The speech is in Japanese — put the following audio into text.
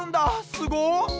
すごっ。